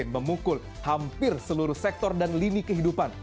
memukul hampir seluruh sektor dan lini kehidupan